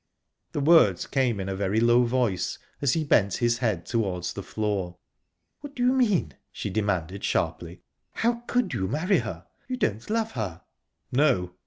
The words came in a very low voice, as he bent his head towards the floor. "What do you mean?" she demanded, sharply. "How could you marry her? You don't love her." "No."